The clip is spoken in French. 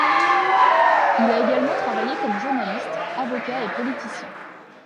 Il a également travaillé comme journaliste, avocat et politicien.